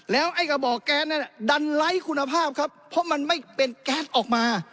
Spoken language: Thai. แล้วไอ้กระบอกแก๊สนั้นดันไร้คุณภาพครับเพราะมันไม่เป็นแก๊สออกมา